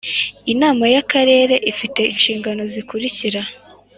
Inama y akarere ifite inshingano zikurikira